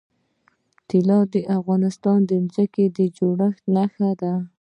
طلا د افغانستان د ځمکې د جوړښت نښه ده.